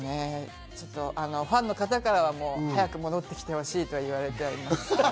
ファンの方からは早く戻ってきてほしいと言われています。